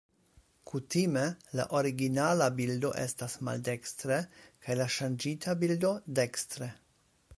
Kutime, la originala bildo estas maldekstre, kaj la ŝanĝita bildo dekstre.